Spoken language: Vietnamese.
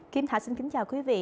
kiếm thảo xin kính chào quý vị